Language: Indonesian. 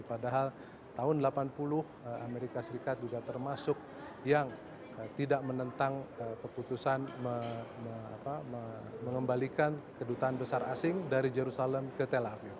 padahal tahun delapan puluh amerika serikat juga termasuk yang tidak menentang keputusan mengembalikan kedutaan besar asing dari jerusalem ke tel aviv